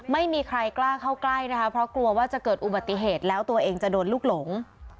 ไม่มีใครกล้าเข้าใกล้นะคะเพราะกลัวว่าจะเกิดอุบัติเหตุแล้วตัวเองจะโดนลูกหลง